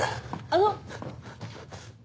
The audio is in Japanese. あの。